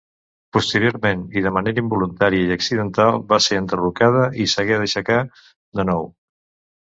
Posteriorment i de manera involuntària i accidental va ser enderrocada i s'hagué d'aixecar de nou.